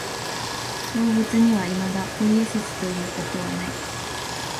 動物にはいまだポイエシスということはない。